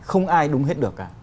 không ai đúng hết được cả